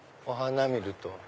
お花見ると。